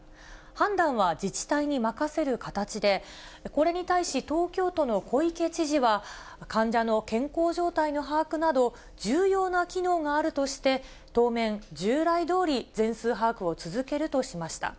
判断は自治体に任せる形で、これに対し、東京都の小池知事は、患者の健康状態の把握など、重要な機能があるとして、当面、従来どおり全数把握を続けるとしました。